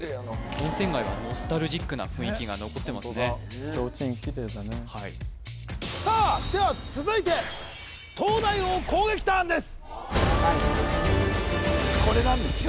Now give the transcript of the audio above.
温泉街はノスタルジックな雰囲気が残ってますねちょうちんキレイだねはいさあでは続いてこれなんですよ